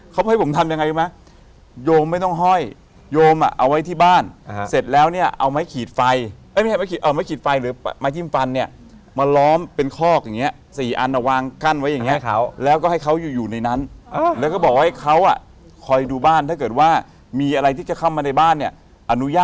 เข้มทองจะค่อยกระตุกเตือนเวลามีอันตราย